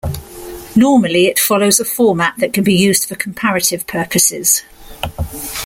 Normally it follows a format that can be used for comparative purposes.